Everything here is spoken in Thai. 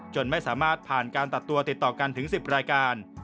ไม่สามารถผ่านการตัดตัวติดต่อกันถึง๑๐รายการ